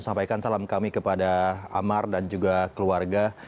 sampaikan salam kami kepada amar dan juga keluarga